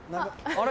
あれ？